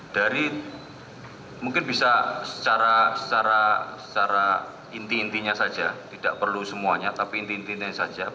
dari mungkin bisa secara inti intinya saja tidak perlu semuanya tapi intinya saja